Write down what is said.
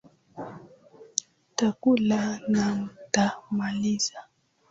Mtakula na mtamaliza